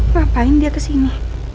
ngapain dia ke sini